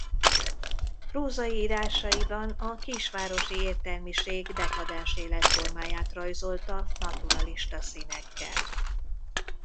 Prózai írásaiban a kisvárosi értelmiség dekadens életformáját rajzolta naturalista színekkel.